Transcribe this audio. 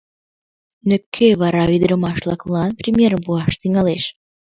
Но кӧ вара ӱдырамаш-влаклан примерым пуаш тӱҥалеш?